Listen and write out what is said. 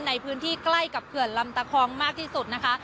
ในพื้นที่ใกล้กับเขื่อนลำตะคองมากที่สุดนะคะ